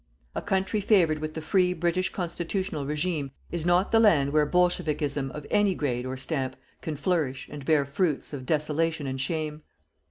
A country favoured with the free British constitutional regime is not the land where bolshevikism of any grade or stamp, can flourish and bear fruits of desolation and shame.